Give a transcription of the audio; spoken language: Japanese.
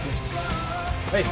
はい。